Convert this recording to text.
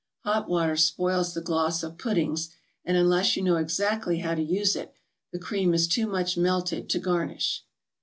Hot water spoils the gloss of puddings, and unless you know exactly how to use it, the cream is too much melted to garnish.